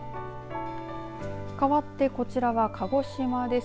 かわって、こちらは鹿児島です。